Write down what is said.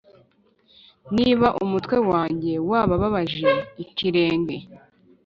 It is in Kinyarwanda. niba umutwe wanjye wababaje ikirenge